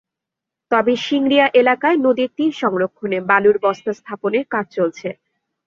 তবে সিংড়িয়া এলাকায় নদীর তীর সংরক্ষণে বালুর বস্তা স্থাপনের কাজ চলছে।